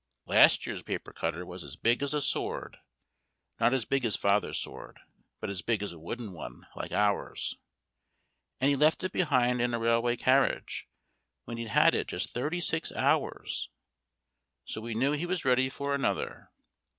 Last year's paper cutter was as big as a sword (not as big as Father's sword, but as big as a wooden one, like ours), And he left it behind in a railway carriage, when he'd had it just thirty six hours; So we knew he was ready for another.